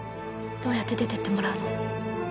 どうやって出ていってもらうの？